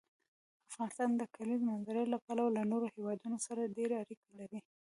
افغانستان د کلیزو منظره له پلوه له نورو هېوادونو سره ډېرې اړیکې لري.